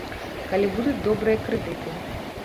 Калі будуць добрыя крэдыты.